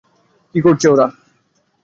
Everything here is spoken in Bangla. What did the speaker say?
কী করছে ওরা?